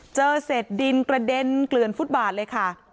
เจอเศษดินกระเด็นเกลือนฟุตบาทเลยค่ะ